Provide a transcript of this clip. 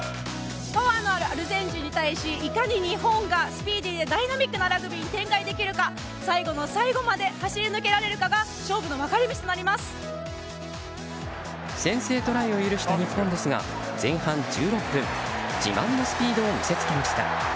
パワーのあるアルゼンチンに対しいかに日本がスピーディーでダイナミックなラグビーを展開できるか、最後の最後まで走り抜けられるかが先制トライを許した日本ですが前半１６分自慢のスピードを見せつけました。